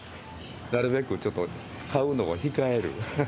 なるべくちょっと買うのを控える。